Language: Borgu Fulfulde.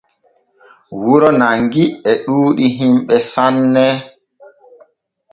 Wuro Nangi e ɗuuɗi himɓe sanne.